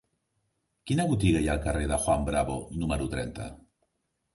Quina botiga hi ha al carrer de Juan Bravo número trenta?